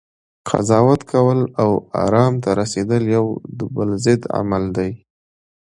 قضاوت کول، او ارام ته رسیدل یو د بل ضد عمل دی